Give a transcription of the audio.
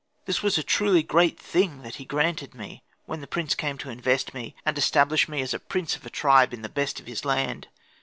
This was truly a great thing that he granted me, when the prince came to invest me, and establish me as prince of a tribe in the best of his land.